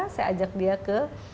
saya ajak dia ke